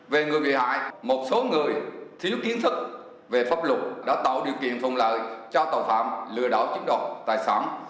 về người bị hại một số người thiếu kiến thức về pháp luật đã tạo điều kiện thuận lợi cho tội phạm lừa đảo chiếm đoạt tài sản